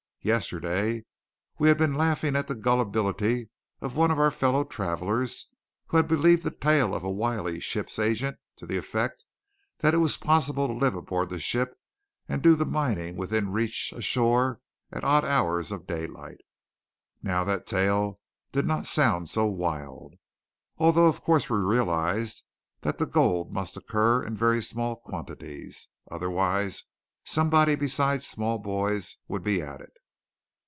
Yesterday we had been laughing at the gullibility of one of our fellow travellers who had believed the tale of a wily ship's agent to the effect that it was possible to live aboard the ship and do the mining within reach ashore at odd hours of daylight! Now that tale did not sound so wild; although of course we realized that the gold must occur in very small quantities. Otherwise somebody beside small boys would be at it.